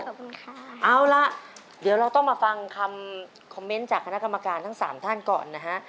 ขอบคุณค่ะเอาล่ะเดี๋ยวเราต้องมาฟังคำคอมเมนต์จากคณะกรรมการทั้งสามท่านก่อนนะฮะ